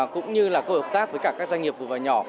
cũng như là cơ hội hợp tác với các doanh nghiệp vừa và nhỏ